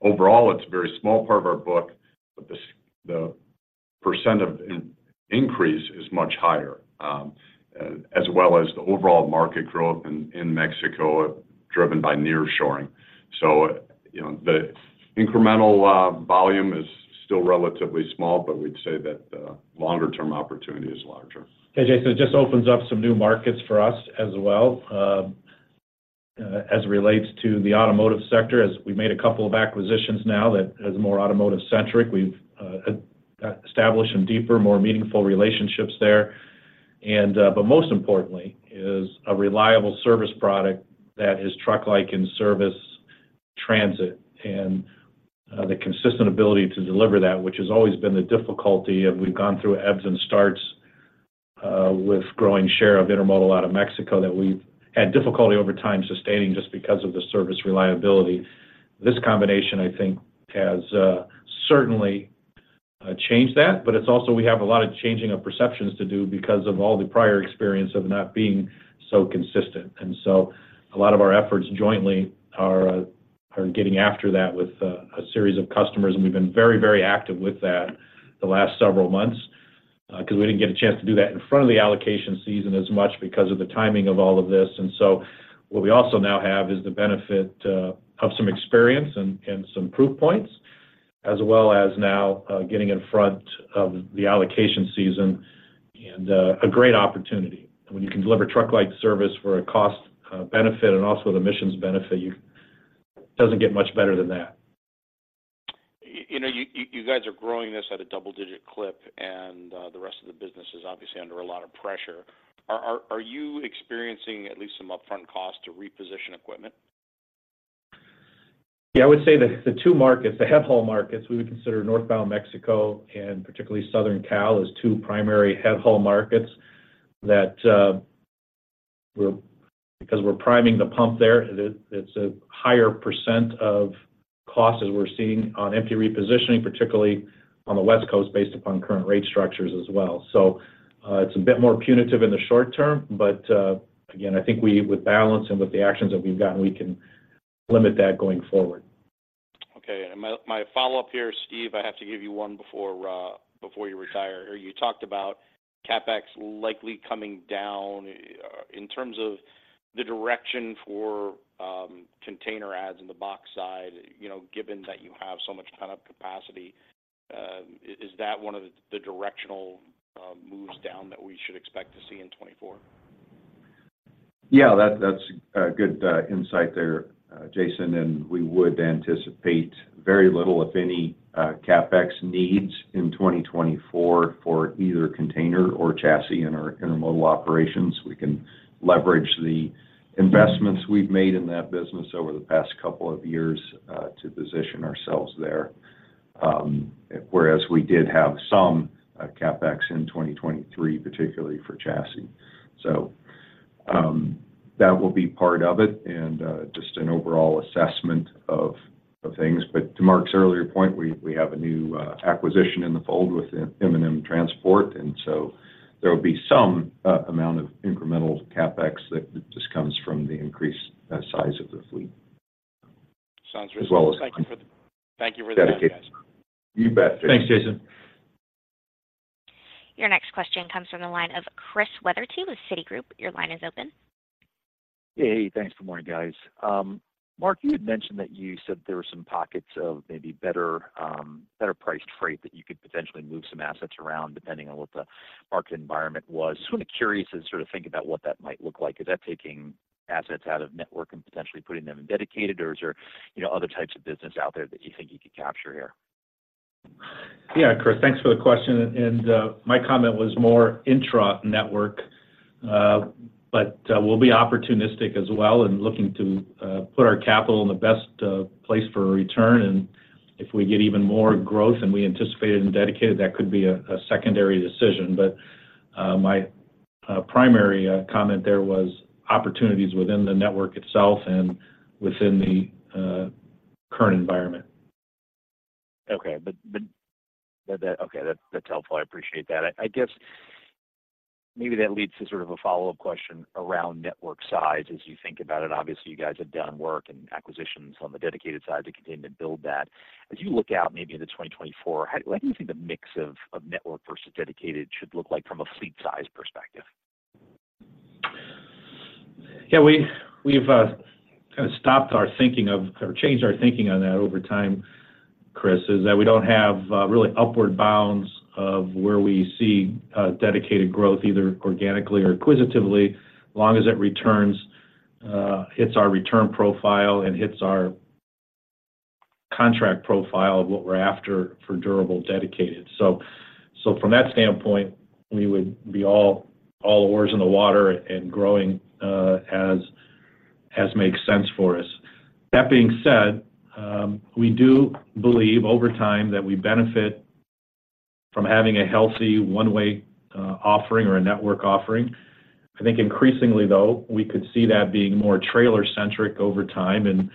overall, it's a very small part of our book, but the percent of increase is much higher, as well as the overall market growth in Mexico, driven by nearshoring. So, you know, the incremental volume is still relatively small, but we'd say that the longer-term opportunity is larger. Okay, Jason, it just opens up some new markets for us as well. As it relates to the automotive sector, as we made a couple of acquisitions now that is more automotive-centric. We've established some deeper, more meaningful relationships there. And but most importantly, is a reliable service product that is truck-like in service transit and the consistent ability to deliver that, which has always been the difficulty. And we've gone through ebbs and starts with growing share of intermodal out of Mexico, that we've had difficulty over time sustaining just because of the service reliability. This combination, I think, has certainly change that, but it's also we have a lot of changing of perceptions to do because of all the prior experience of not being so consistent. A lot of our efforts jointly are getting after that with a series of customers, and we've been very, very active with that the last several months. Because we didn't get a chance to do that in front of the allocation season as much because of the timing of all of this. What we also now have is the benefit of some experience and some proof points, as well as now getting in front of the allocation season, and a great opportunity. When you can deliver truck-like service for a cost benefit and also the emissions benefit, it doesn't get much better than that. You know, you guys are growing this at a double-digit clip, and the rest of the business is obviously under a lot of pressure. Are you experiencing at least some upfront cost to reposition equipment? Yeah, I would say that the two markets, the head haul markets, we would consider northbound Mexico and particularly Southern Cal as two primary head haul markets that because we're priming the pump there, it's a higher percent of costs as we're seeing on empty repositioning, particularly on the West Coast, based upon current rate structures as well. So, it's a bit more punitive in the short term, but again, I think we with balance and with the actions that we've gotten can limit that going forward. Okay. And my follow-up here, Steve, I have to give you one before you retire. You talked about CapEx likely coming down. In terms of the direction for container adds in the box side, you know, given that you have so much ton of capacity, is that one of the directional moves down that we should expect to see in 2024? Yeah, that, that's a good insight there, Jason, and we would anticipate very little, if any, CapEx needs in 2024 for either container or chassis in our intermodal operations. We can leverage the investments we've made in that business over the past couple of years to position ourselves there. Whereas we did have some CapEx in 2023, particularly for chassis. So, that will be part of it, and just an overall assessment of things. But to Mark's earlier point, we have a new acquisition in the fold with M&M Transport, and so there will be some amount of incremental CapEx that just comes from the increased size of the fleet. Sounds reasonable. As well as- Thank you for the time, guys. You bet, Jason. Thanks, Jason. Your next question comes from the line of Chris Wetherbee with Citigroup. Your line is open. Hey, thanks. Good morning, guys. Mark, you had mentioned that you said there were some pockets of maybe better, better-priced freight, that you could potentially move some assets around, depending on what the market environment was. So I'm curious to sort of think about what that might look like. Is that taking assets out of network and potentially putting them in dedicated, or is there, you know, other types of business out there that you think you could capture here? Yeah, Chris, thanks for the question, and my comment was more intra-network. But we'll be opportunistic as well and looking to put our capital in the best place for a return. And if we get even more growth than we anticipated in Dedicated, that could be a secondary decision. But my primary comment there was opportunities within the network itself and within the current environment. Okay. But that... Okay, that's helpful. I guess maybe that leads to sort of a follow-up question around network size as you think about it. Obviously, you guys have done work and acquisitions on the dedicated side to continue to build that. As you look out maybe into 2024, what do you think the mix of network versus dedicated should look like from a fleet size perspective? Yeah, we've kind of stopped our thinking of, or changed our thinking on that over time, Chris, is that we don't have really upward bounds of where we see dedicated growth, either organically or acquisitively, as long as it returns hit our return profile and hits our contract profile of what we're after for durable dedicated. So from that standpoint, we would be all oars in the water and growing as makes sense for us. That being said, we do believe over time that we benefit from having a healthy one-way offering or a network offering. I think increasingly, though, we could see that being more trailer-centric over time, and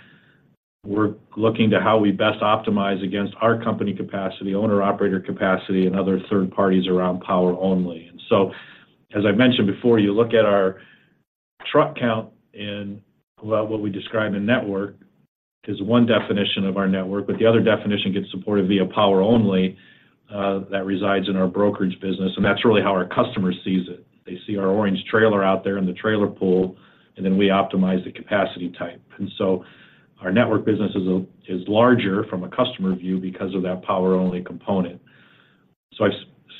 we're looking to how we best optimize against our company capacity, owner-operator capacity, and other third parties around Power Only. And so, as I mentioned before, you look at our truck count and, well, what we describe in network is one definition of our network, but the other definition gets supported via power only, that resides in our brokerage business, and that's really how our customer sees it. They see our orange trailer out there in the trailer pool, and then we optimize the capacity type. And so our network business is larger from a customer view because of that power-only component. So,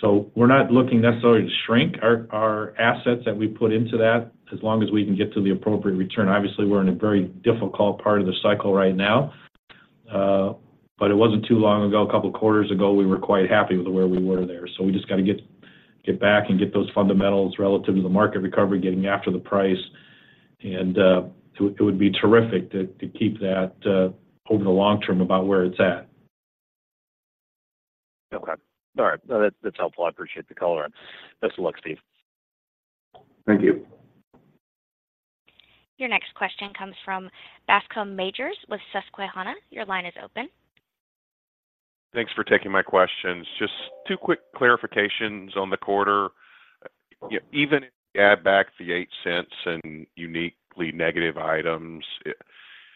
so we're not looking necessarily to shrink our assets that we put into that, as long as we can get to the appropriate return. Obviously, we're in a very difficult part of the cycle right now, but it wasn't too long ago, a couple quarters ago, we were quite happy with where we were there. We just got to get back and get those fundamentals relative to the market recovery, getting after the price. It would be terrific to keep that over the long term about where it's at. Okay. All right. No, that's, that's helpful. I appreciate the color. Best of luck, Steve. Thank you.... Your next question comes from Bascom Majors with Susquehanna. Your line is open. Thanks for taking my questions. Just two quick clarifications on the quarter. Yeah, even if you add back the $0.08 and uniquely negative items, it,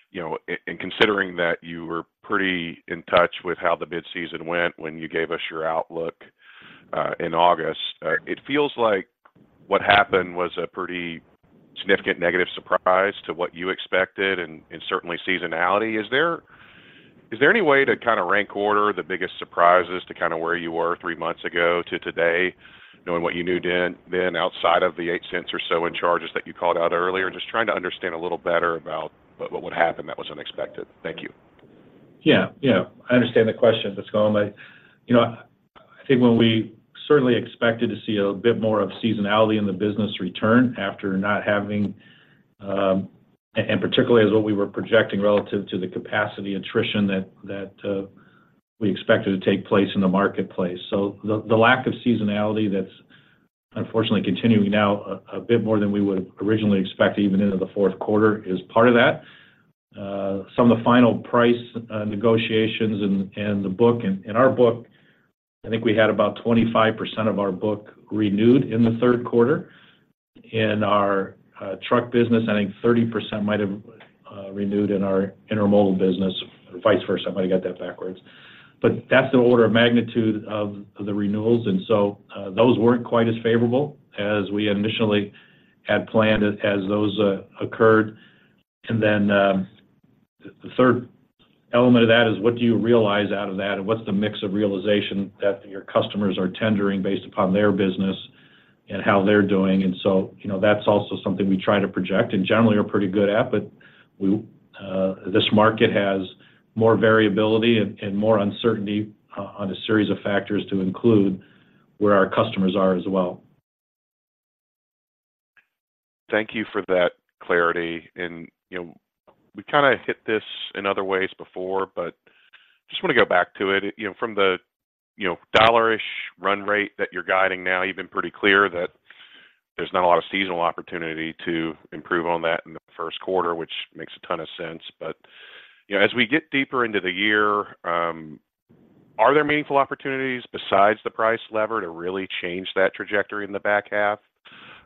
you know, and considering that you were pretty in touch with how the mid-season went when you gave us your outlook, in August, it feels like what happened was a pretty significant negative surprise to what you expected and certainly seasonality. Is there, is there any way to kind of rank order the biggest surprises to kind of where you were three months ago to today, knowing what you knew then, then outside of the $0.08 or so in charges that you called out earlier? Just trying to understand a little better about what, what would happen that was unexpected. Thank you. Yeah. Yeah, I understand the question, Bascom. I, you know, I think when we certainly expected to see a bit more of seasonality in the business return after not having, and particularly as what we were projecting relative to the capacity attrition that we expected to take place in the marketplace. So the lack of seasonality that's unfortunately continuing now a bit more than we would originally expect, even into the Q4, is part of that. Some of the final price negotiations and the book, in our book, I think we had about 25% of our book renewed in the Q3. In our truck business, I think 30% might have renewed in our intermodal business, or vice versa. I might have got that backwards. But that's the order of magnitude of the renewals, and so those weren't quite as favorable as we initially had planned as those occurred. And then the third element of that is, what do you realize out of that? And what's the mix of realization that your customers are tendering based upon their business and how they're doing? And so, you know, that's also something we try to project and generally are pretty good at, but this market has more variability and more uncertainty on a series of factors to include where our customers are as well. Thank you for that clarity. You know, we kind of hit this in other ways before, but just want to go back to it. You know, from the, you know, dollar-ish run rate that you're guiding now, you've been pretty clear that there's not a lot of seasonal opportunity to improve on that in the Q1, which makes a ton of sense. You know, as we get deeper into the year, are there meaningful opportunities besides the price lever to really change that trajectory in the back half?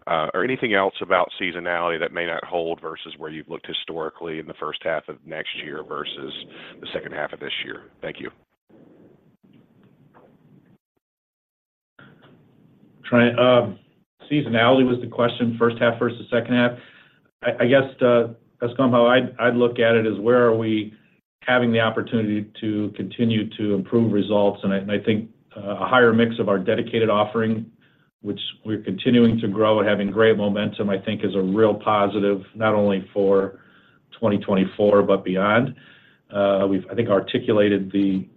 Or anything else about seasonality that may not hold versus where you've looked historically in the first half of next year versus the second half of this year? Thank you. The seasonality was the question, first half versus second half. I, I guess, Bascom, how I'd, I'd look at it is, where are we having the opportunity to continue to improve results? And I, and I think, a higher mix of our dedicated offering, which we're continuing to grow and having great momentum, I think is a real positive, not only for 2024, but beyond. We've, I think, articulated the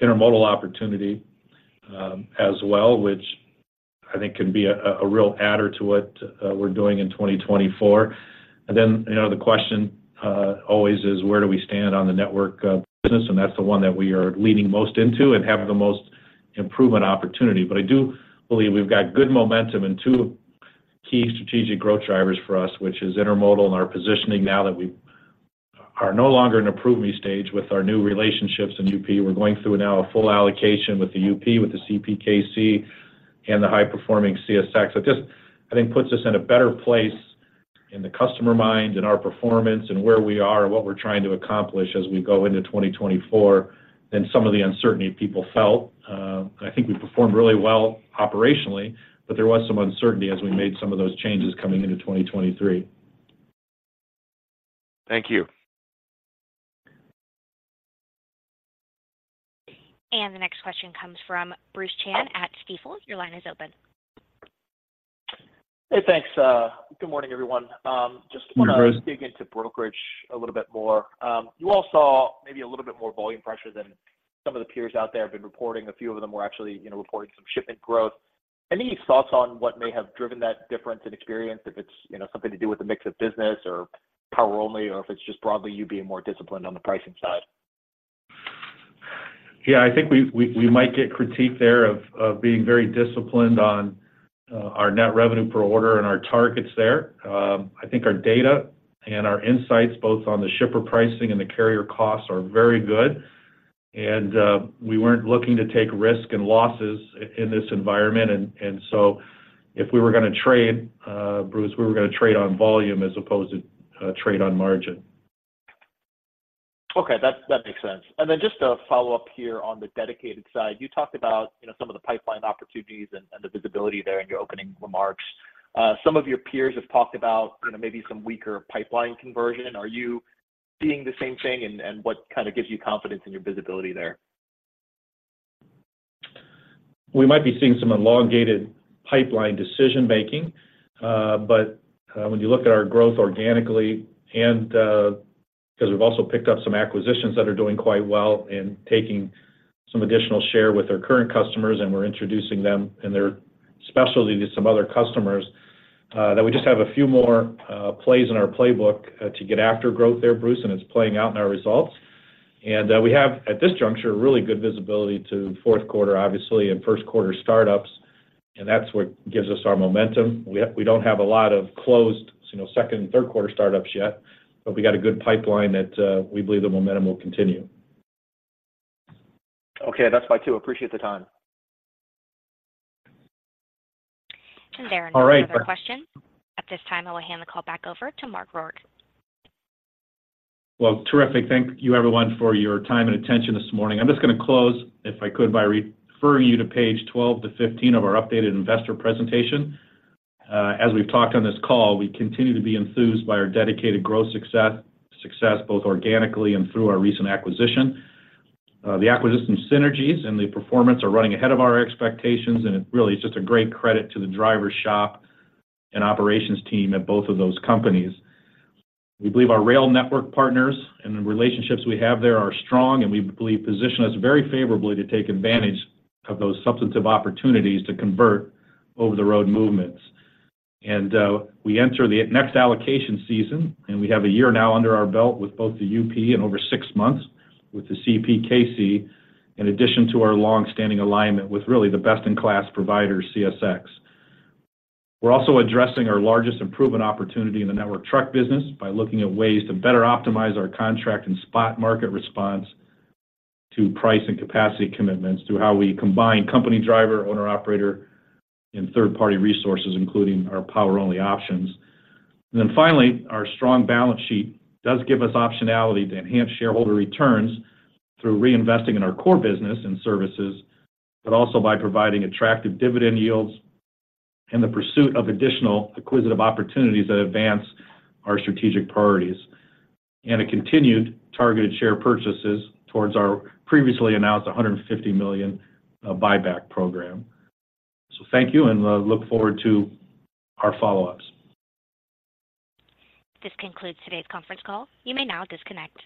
intermodal opportunity, as well, which I think can be a, a real adder to what, we're doing in 2024. And then, you know, the question, always is: Where do we stand on the network of business? And that's the one that we are leaning most into and have the most improvement opportunity. But I do believe we've got good momentum and two key strategic growth drivers for us, which is intermodal and our positioning now that we are no longer in a prove-me stage with our new relationships in UP. We're going through now a full allocation with the UP, with the CPKC and the high-performing CSX. So just, I think, puts us in a better place in the customer mind, in our performance, and where we are and what we're trying to accomplish as we go into 2024, than some of the uncertainty people felt. I think we performed really well operationally, but there was some uncertainty as we made some of those changes coming into 2023. Thank you. The next question comes from Bruce Chan at Stifel. Your line is open. Hey, thanks. Good morning, everyone. Just want to- Hey, Bruce... dig into brokerage a little bit more. You all saw maybe a little bit more volume pressure than some of the peers out there have been reporting. A few of them were actually, you know, reporting some shipment growth. Any thoughts on what may have driven that difference in experience, if it's, you know, something to do with the mix of business or power only, or if it's just broadly you being more disciplined on the pricing side? Yeah, I think we might get critiqued there of being very disciplined on our net revenue per order and our targets there. I think our data and our insights, both on the shipper pricing and the carrier costs, are very good, and we weren't looking to take risk and losses in this environment. So if we were going to trade, Bruce, we were going to trade on volume as opposed to trade on margin. Okay, that's, that makes sense. Then just a follow-up here on the dedicated side. You talked about, you know, some of the pipeline opportunities and the visibility there in your opening remarks. Some of your peers have talked about kind of maybe some weaker pipeline conversion. Are you seeing the same thing, and what kind of gives you confidence in your visibility there? We might be seeing some elongated pipeline decision-making, but, when you look at our growth organically and, because we've also picked up some acquisitions that are doing quite well in taking some additional share with our current customers, and we're introducing them and their specialty to some other customers, that we just have a few more, plays in our playbook, to get after growth there, Bruce, and it's playing out in our results. And, we have, at this juncture, really good visibility to Q4, obviously, and Q1 startups.... And that's what gives us our momentum. We have, we don't have a lot of closed, you know, second and Q3 startups yet, but we got a good pipeline that, we believe the momentum will continue. Okay, that's fine too. Appreciate the time. There are no other questions. All right. At this time, I will hand the call back over to Mark Rourke. Well, terrific. Thank you, everyone, for your time and attention this morning. I'm just going to close, if I could, by referring you to page 12-15 of our updated investor presentation. As we've talked on this call, we continue to be enthused by our dedicated growth success, success, both organically and through our recent acquisition. The acquisition synergies and the performance are running ahead of our expectations, and it really is just a great credit to the driver shop and operations team at both of those companies. We believe our rail network partners and the relationships we have there are strong, and we believe position us very favorably to take advantage of those substantive opportunities to convert over-the-road movements. We enter the next allocation season, and we have a year now under our belt with both the UP and over six months with the CPKC, in addition to our long-standing alignment with really the best-in-class provider, CSX. We're also addressing our largest improvement opportunity in the network truck business by looking at ways to better optimize our contract and spot market response to price and capacity commitments through how we combine company driver, owner-operator, and third-party resources, including our power-only options. Then finally, our strong balance sheet does give us optionality to enhance shareholder returns through reinvesting in our core business and services, but also by providing attractive dividend yields and the pursuit of additional acquisitive opportunities that advance our strategic priorities, and a continued targeted share purchases towards our previously announced $150 million buyback program. Thank you, and look forward to our follow-ups. This concludes today's conference call. You may now disconnect.